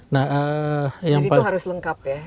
jadi itu harus lengkap ya